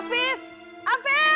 bentar aku panggilnya